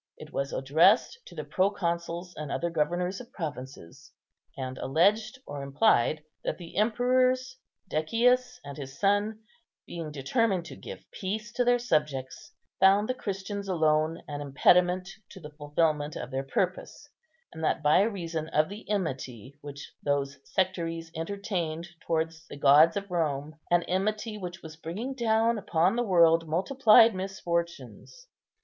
It was addressed to the proconsuls and other governors of provinces; and alleged or implied that the emperors, Decius and his son, being determined to give peace to their subjects, found the Christians alone an impediment to the fulfilment of their purpose; and that, by reason of the enmity which those sectaries entertained towards the gods of Rome,—an enmity which was bringing down upon the world multiplied misfortunes.